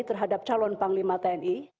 terhadap calon panglima tni